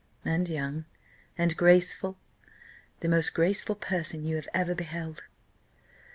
"And young." "And graceful?" "The most graceful person you ever beheld."